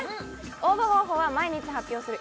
応募方法は毎日発表する